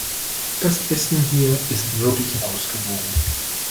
Das Essen hier ist wirklich ausgewogen.